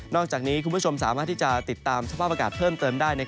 อกจากนี้คุณผู้ชมสามารถที่จะติดตามสภาพอากาศเพิ่มเติมได้